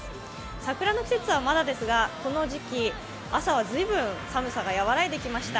桜の季節はまだですが、この時期朝は随分寒さがやわらいできました。